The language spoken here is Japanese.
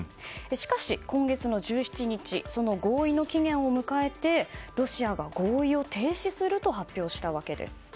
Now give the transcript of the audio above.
しかし、今月の１７日その合意の期限を迎えてロシアが合意を停止すると発表したわけです。